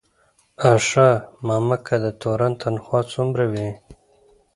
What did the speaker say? آ ښه مککه، د تورن تنخواه څومره وي؟